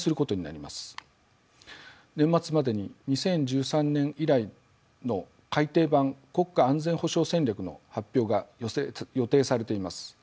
年末までに２０１３年以来の改訂版「国家安全保障戦略」の発表が予定されています。